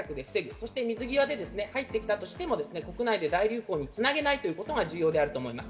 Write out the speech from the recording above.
そして入ってきたとしても、国内で大流行につなげないということが大事であると思います。